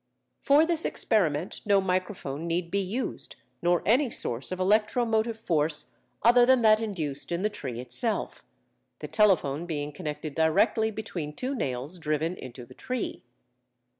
For this experiment no microphone need be used, nor any source of electromotive force other than that induced in the tree itself, the telephone being connected directly between two nails driven into the tree....